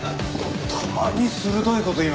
たまに鋭い事言いますね。